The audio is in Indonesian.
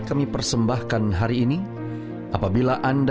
kami masyurkan dan nyanyikan